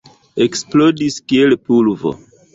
Eksplodis kiel pulvo.